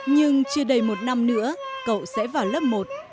nhưng chưa đầy một năm nữa cậu sẽ vào lớp một